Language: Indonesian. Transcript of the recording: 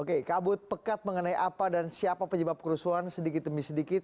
oke kabut pekat mengenai apa dan siapa penyebab kerusuhan sedikit demi sedikit